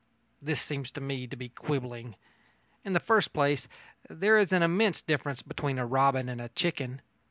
This seems to me to be quibbling. In the first place, there is an immense difference between a robin and a chicken.